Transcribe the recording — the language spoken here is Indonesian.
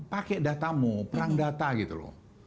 pakai datamu perang data gitu loh